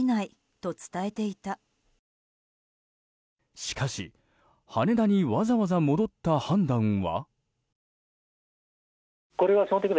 しかし羽田にわざわざ戻った判断は？